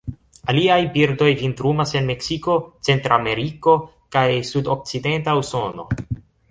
Aliaj birdoj vintrumas en Meksiko, Centrameriko, kaj sudokcidenta Usono.